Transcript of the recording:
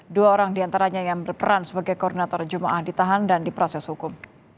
dua orang diantaranya yang berperan sebagai koordinator jemaah ditahan dan diproses hukum